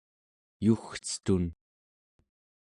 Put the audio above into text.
Yugcetun